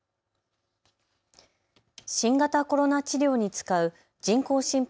新型コロナ治療に使う人工心肺